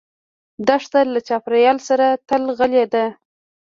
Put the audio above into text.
دښته له چاپېریال سره تل غلي ده.